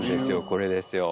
これですよ。